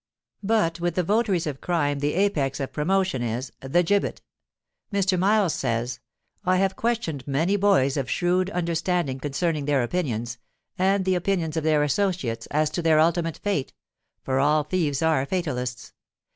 But with the votaries of crime the apex of promotion is—the gibbet! Mr. Miles says, "I have questioned many boys of shrewd understanding concerning their opinions, and the opinions of their associates, as to their ultimate fate (for all thieves are fatalists).